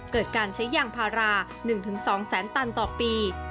เกิดการใช้ยางพารา๑๒แสนตันต่อปี